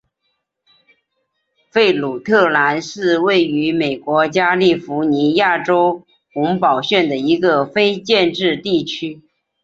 弗鲁特兰是位于美国加利福尼亚州洪堡县的一个非建制地区。